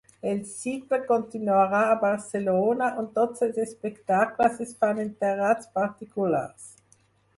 El cicle continuarà a Barcelona, on tots els espectacles es fan en terrats particulars.